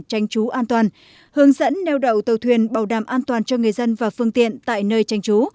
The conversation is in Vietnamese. tranh chú an toàn hướng dẫn nêu đậu tàu thuyền bảo đảm an toàn cho người dân và phương tiện tại nơi tranh chú